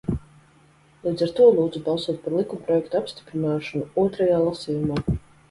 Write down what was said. Līdz ar to lūdzu balsot par likumprojekta apstiprināšanu otrajā lasījumā.